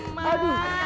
aduh gak nyucuk mat